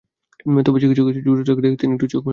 তবে চিকিৎসক এসে জোরে ডাক দিলে তিনি একটু চোখ মেলে তাকান।